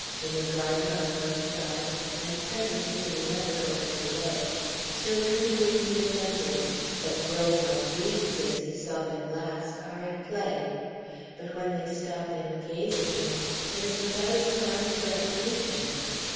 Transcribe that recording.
In a garden on one side, and presently in another over the way, children whom he remembers but grown like weeds since he saw them last are at play; but when they stop and gaze at him, it is without a sign of recognition.